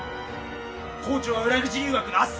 校長は裏口入学の斡旋。